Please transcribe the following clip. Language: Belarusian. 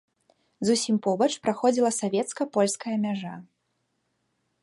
Зусім побач праходзіла савецка-польская мяжа.